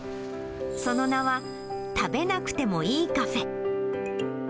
その名は、食べなくてもいいカフェ。